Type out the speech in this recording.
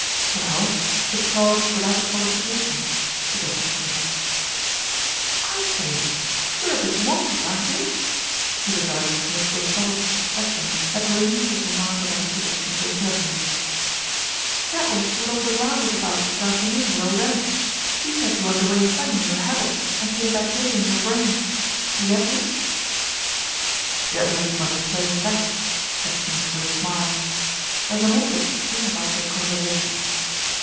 "Well, the prod without the qualification," sug gested Smith. "I say, you're a bit whonky, aren't you?" He re garded Smith with a puzzled expression that relieved his remark of any suggestion of impertinence. "That was what all the row was about this afternoon with old End. He said you went away funny in your habits and came back ditto in your brain. You get me?" "Generally by playing back," said Smith with a smile. "There's an awkward spin about your conversation."